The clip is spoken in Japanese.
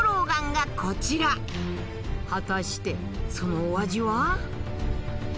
果たしてそのお味は？